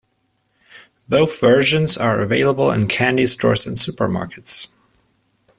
Both versions are available in candy stores and supermarkets.